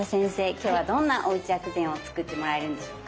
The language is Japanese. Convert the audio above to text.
今日はどんなおうち薬膳を作ってもらえるんでしょうか？